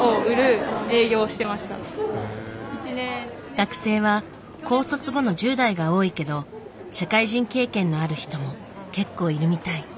学生は高卒後の１０代が多いけど社会人経験のある人も結構いるみたい。